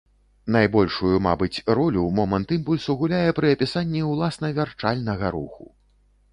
Найбольшую, мабыць, ролю момант імпульсу гуляе пры апісанні уласна вярчальнага руху.